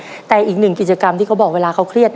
แล้ววันนี้ผมมีสิ่งหนึ่งนะครับเป็นตัวแทนกำลังใจจากผมเล็กน้อยครับ